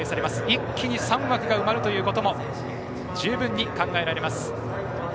一気に３枠が埋まるということも十分に考えられます。